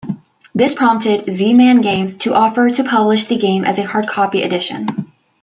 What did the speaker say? This prompted Z-Man Games to offer to publish the game as a hardcopy edition.